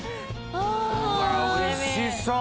うわおいしそう！